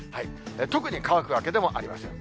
特に乾くわけでもありません。